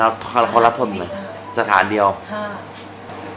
เด็กเค้าผู้หญิงเต้าเจ๋ยก๋วั้งทำไมจะเยี่ยมตัว